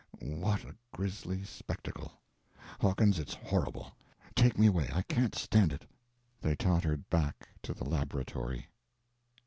What a grisly spectacle! Hawkins it's horrible! Take me away—I can't stand it. They tottered back to the laboratory.